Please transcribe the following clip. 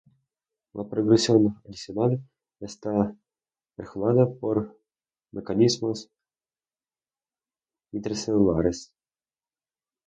La progresión adicional está regulada por mecanismos intracelulares.